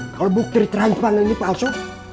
kalau bukti transfer ini palsu